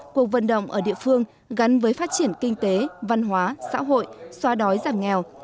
cuộc vận động ở địa phương gắn với phát triển kinh tế văn hóa xã hội xoa đói giảm nghèo